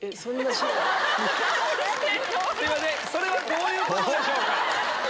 すいませんそれはどういうことでしょうか？